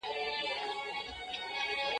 ده آغازه دا وينا په جوش او شور کړه